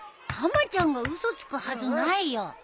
たまちゃんが嘘つくはずないよ。